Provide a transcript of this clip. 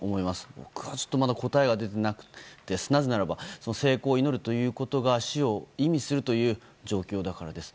僕はちょっとまだ答えが出ていなくてなぜならば、成功を祈るとこが死を意味するという状況だからです。